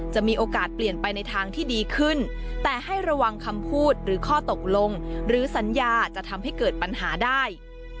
จะมีโอกาสเปลี่ยนไปในทางที่ดีขึ้นแต่ให้ระวังคำพูดหรือข้อตกลงหรือสัญญาจะทำให้เกิดปัญหาได้